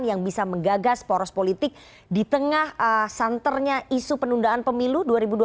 yang bisa menggagas poros politik di tengah santernya isu penundaan pemilu dua ribu dua puluh